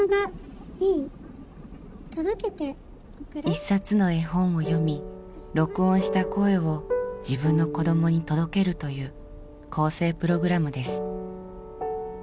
一冊の絵本を読み録音した声を自分の子どもに届けるという更生プログラムです。